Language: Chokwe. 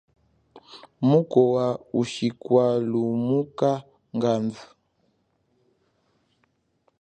Mungowa ushikwalumuka ngandu.